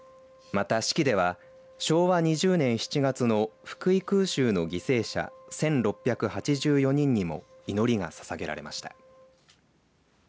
また式では、昭和２０年７月の福井空襲の犠牲者１６８４人にも祈りがささげられました。